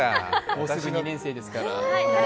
もうすぐ２年生ですから。